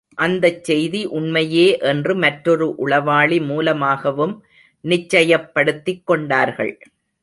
அந்தச் செய்தி உண்மையே என்று மற்றொரு உளவாளி மூலமாகவும் நிச்சயப்படுத்திக் கொண்டார்கள்.